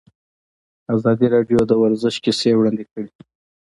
ازادي راډیو د ورزش کیسې وړاندې کړي.